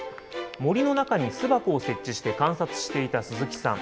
森の中に巣箱を設置して観察していた鈴木さん。